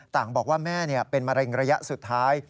บอกว่าแม่เป็นมะเร็งระยะสุดท้าย